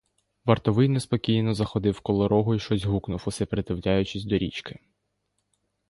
Вартовий неспокійно заходив коло рогу й щось гукнув, усе придивляючись до річки.